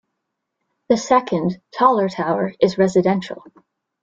The second, taller tower, is residential.